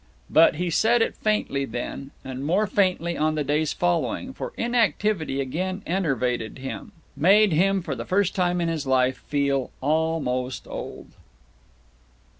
But he said it faintly then, and more faintly on the days following, for inactivity again enervated him made him, for the first time in his life, feel almost old.